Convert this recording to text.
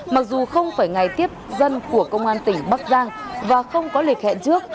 mặc dù không phải ngày tiếp dân của công an tỉnh bắc giang và không có lịch hẹn trước